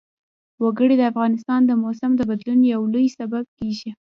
وګړي د افغانستان د موسم د بدلون یو لوی سبب کېږي.